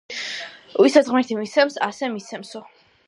ვისაც ღმერთი მისცემს, ასე მისცემსო